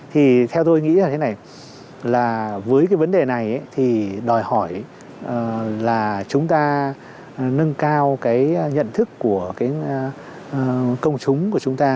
thì theo tôi nghĩ là thế này là với cái vấn đề này thì đòi hỏi là chúng ta nâng cao cái nhận thức của cái công chúng của chúng ta